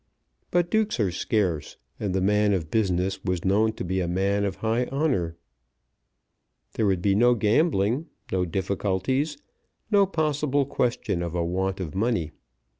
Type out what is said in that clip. But dukes are scarce, and the man of business was known to be a man of high honour. There would be no gambling, no difficulties, no possible question of a want of money.